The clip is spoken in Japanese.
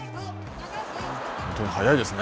本当に速いですね。